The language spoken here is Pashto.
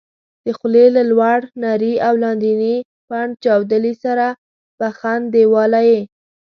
د خولې له لوړ نري او لاندني پنډ چاودلي سره بخن دېواله یې